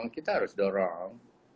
kita harus dorong